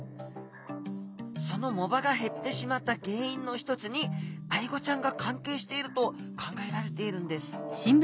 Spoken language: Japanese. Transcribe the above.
その藻場が減ってしまった原因の一つにアイゴちゃんが関係していると考えられているんです。